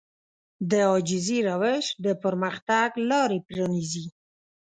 د عاجزي روش د پرمختګ لارې پرانيزي.